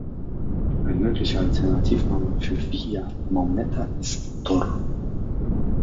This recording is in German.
Ein möglicher Alternativname für Vila Maumeta ist "Toro".